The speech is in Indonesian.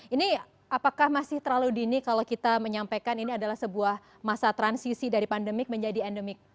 ini apakah masih terlalu dini kalau kita menyampaikan ini adalah sebuah masa transisi dari pandemik menjadi endemik